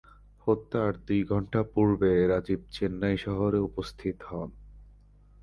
হত্যার দুই ঘণ্টা পূর্বে রাজীব চেন্নাই শহরে উপস্থিত হন।